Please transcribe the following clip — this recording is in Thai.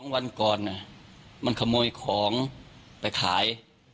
วันก่อนมันขโมยของไปขาย